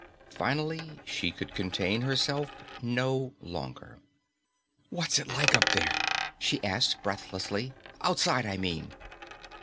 Finally she could contain herself no longer. "What's it like up there?" she asked breathlessly. "Outside, I mean."